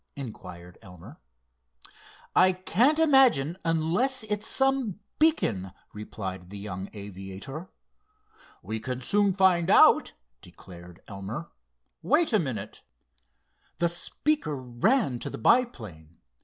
inquired Elmer. "I can't imagine, unless it is some beacon," replied the young aviator. "We can soon find out," declared Elmer. "Wait a minute." The speaker ran to the biplane.